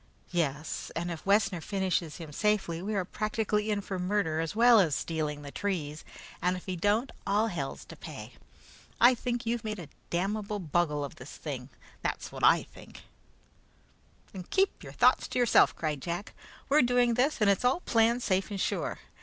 "Yes, and if Wessner finishes him safely, we are practically in for murder as well as stealing the trees; and if he don't, all hell's to pay. I think you've made a damnable bungle of this thing; that's what I think!" "Then keep your thoughts to yourself," cried Jack. "We're doing this, and it's all planned safe and sure.